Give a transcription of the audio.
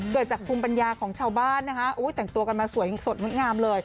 เกิดจากภูมิปัญญาของชาวบ้านนะคะแต่งตัวกันมาสวยสดงดงามเลย